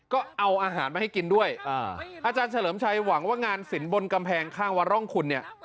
ก็เอาอาหารมาให้กินด้วยอาจารย์เฉลิมชัยหวังว่างานสินบนกำแพงข้างวัดร่องคุณเนี่ย